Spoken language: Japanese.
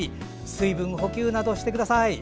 水分補給などしてください。